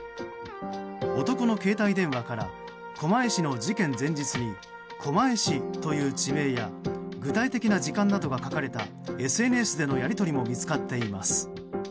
男の携帯電話から狛江市の事件前日に狛江市という地名や具体的な時間などが書かれたＳＮＳでのやり取りも見つかっています。